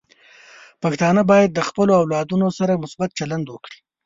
پښتانه بايد د خپلو اولادونو سره مثبت چلند وکړي.